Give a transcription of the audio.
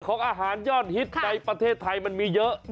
ของอาหารยอดฮิตในประเทศไทยมันมีเยอะ